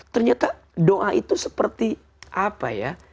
ternyata doa itu seperti apa ya